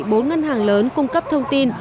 bốn ngân hàng lớn cung cấp thông tin